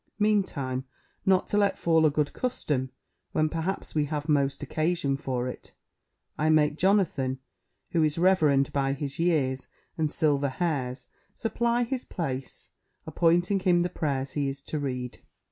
Meantime, not to let fall a good custom, when perhaps we have most occasion for it, I make Jonathan, who is reverend by his years and silver hairs, supply his place, appointing him the prayers he is to read.